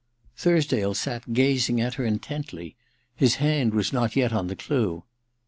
* Thursdale sat gazing at her intently ; his hand was not yet on the clue.